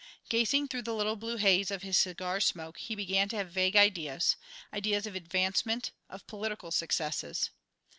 Gazing through the little blue haze of his cigar smoke, he began to have vague ideas, ideas of advancement, of political successes.